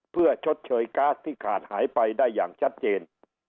เพื่อชดเชยก๊าซที่ขาดหายไปได้อย่างชัดเจน